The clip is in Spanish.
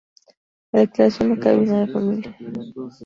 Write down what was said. La declaración no cae bien a la familia.